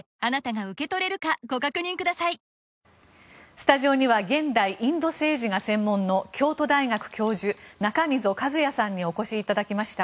スタジオには現代インド政治が専門の京都大学教授、中溝和弥さんにお越しいただきました。